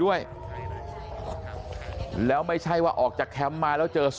พวกมันกลับมาเมื่อเวลาที่สุดพวกมันกลับมาเมื่อเวลาที่สุด